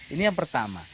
ini yang pertama